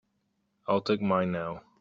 I'll take mine now.